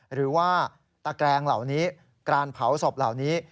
หรือว่าตะแกรงเหล่านี้การเผาศพเหล่านี้